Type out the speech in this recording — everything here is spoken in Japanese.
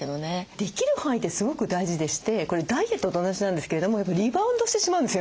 できる範囲ってすごく大事でしてこれダイエットと同じなんですけれどもリバウンドしてしまうんですよ